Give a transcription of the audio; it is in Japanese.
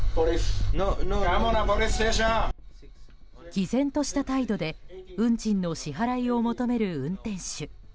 毅然とした態度で運賃の支払いを求める運転手。